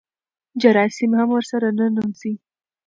جراثیم هم ورسره ننوځي.